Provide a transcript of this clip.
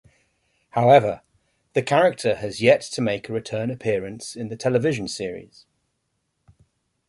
However, the character has yet to make a return appearance in the television series.